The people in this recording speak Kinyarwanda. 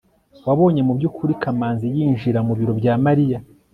wabonye mubyukuri kamanzi yinjira mubiro bya mariya